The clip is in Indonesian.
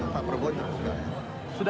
pak prabowo terbuka